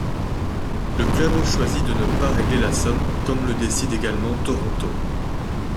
Le club choisit de ne pas régler la somme comme le décide également Toronto.